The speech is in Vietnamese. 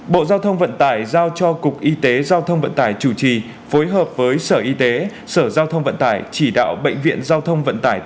bộ giao thông vận tải giao cho cục y tế giao thông vận tải chủ trì phối hợp với sở y tế sở giao thông vận tải